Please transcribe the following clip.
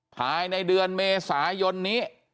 ภายในเดือนเมษายนนี้